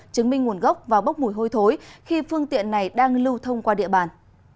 chứng minh nguồn gốc và bốc mùi hôi thối khi phương tiện này đang lưu thông qua địa bàn